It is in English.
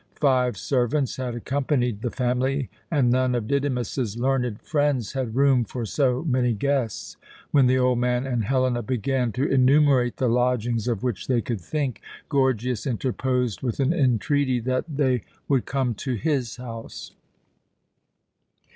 Five servants had accompanied the family, and none of Didymus's learned friends had room for so many guests. When the old man and Helena began to enumerate the lodgings of which they could think, Gorgias interposed with an entreaty that they would come to his house.